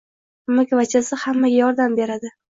Amakivachchasi hammaga yordam beradi.